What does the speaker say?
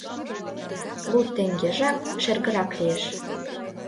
Лу теҥгежат шергырак лиеш.